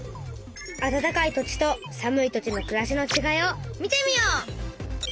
「あたたかい土地とさむい土地のくらしのちがい」を見てみよう！